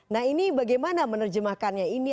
nah ini bagaimana menerjemahkannya ini